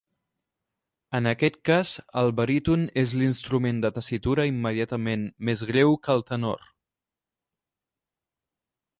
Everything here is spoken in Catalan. En aquest cas el baríton és l'instrument de tessitura immediatament més greu que el tenor.